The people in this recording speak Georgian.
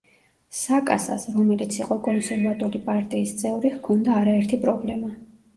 საკასას, რომელიც იყო კონსერვატული პარტიის წევრი, ჰქონდა არაერთი პრობლემა.